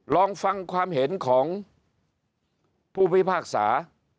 ลองฟังความเห็นของผู้พิพากษา